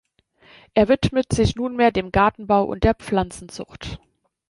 Er widmete sich nunmehr dem Gartenbau und der Pflanzenzucht.